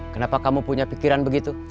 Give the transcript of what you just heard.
kenapa kamu punya pikiran begitu